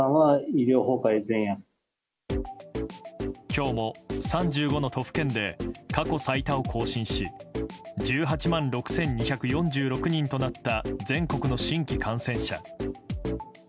今日も３５の都府県で過去最多を更新し１８万６２４６人となった全国の新規感染者。